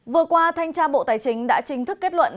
vừa qua thanh tra bộ tài chính đã chính thức kết luận